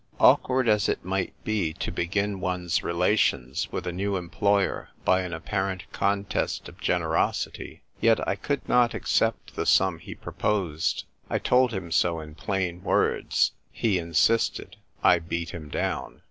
Awkward as it might be to begin one's relations with a new employer by an apparent contest of generosity, yet I could not accept the sum he proposed. I told him so in plain words ; he insisted : I beat him down.